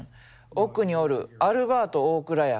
奥におるアルバート・オオクラや。